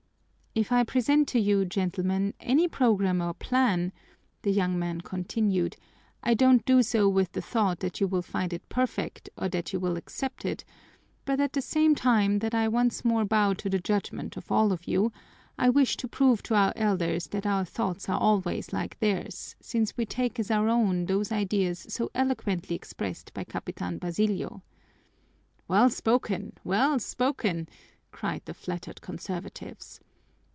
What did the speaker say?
"If I present to you, gentlemen, any program or plan," the young man continued, "I don't do so with the thought that you will find it perfect or that you will accept it, but at the same time that I once more bow to the judgment of all of you, I wish to prove to our elders that our thoughts are always like theirs, since we take as our own those ideas so eloquently expressed by Capitan Basilio." "Well spoken! Well spoken!" cried the flattered conservatives.